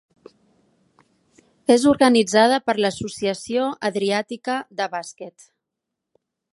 És organitzada per l'Associació Adriàtica de Bàsquet.